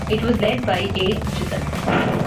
It was led by A. Achuthan.